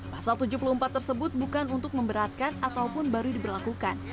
pasal tujuh puluh empat tersebut bukan untuk memberatkan ataupun baru diberlakukan